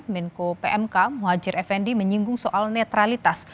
menko pmk muhajir effendi menyinggung soal netralitas